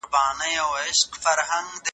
غم به مي جرړې د زړه پرې کړي